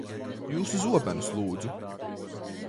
Jūsu zobenus, lūdzu.